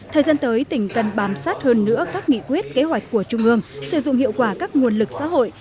thời gian tới tỉnh cần bám sát hơn nữa các nghị quyết kế hoạch của trung ương sử dụng hiệu quả các nguồn lực xã hội